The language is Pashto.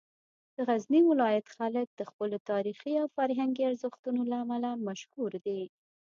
د غزني ولایت خلک د خپلو تاریخي او فرهنګي ارزښتونو له امله مشهور دي.